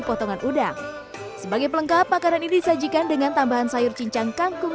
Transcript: potongan udang sebagai pelengkap makanan ini disajikan dengan tambahan sayur cincang kangkung